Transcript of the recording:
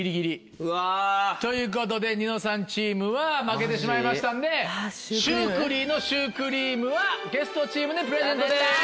うわ。ということでニノさんチームは負けてしまいましたんでシュークリーのシュークリームはゲストチームにプレゼントです。